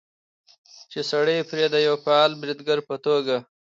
چې سړى پرې د يوه فعال بريدګر په توګه